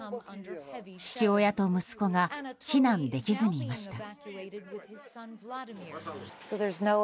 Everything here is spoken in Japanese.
父親と息子が避難できずにいました。